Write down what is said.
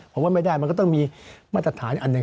ผมว่าไม่ได้มันก็ต้องมีมาตรฐานอีกอันหนึ่ง